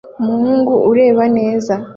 Umuhungu ureba neza